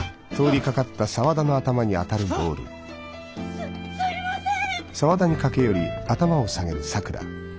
すすいません。